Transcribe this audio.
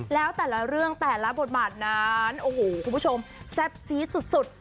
แล้วแต่ละเรื่องแต่ละบทบาทนั้นโอ้โหคุณผู้ชมแซ่บซีดสุด